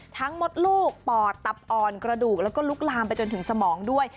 มดลูกปอดตับอ่อนกระดูกแล้วก็ลุกลามไปจนถึงสมองด้วย